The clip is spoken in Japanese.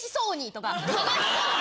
悲しそうに。